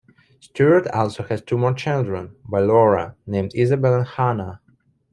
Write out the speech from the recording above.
Stewart also has two more children, by Laura, named Isobel and Hannah.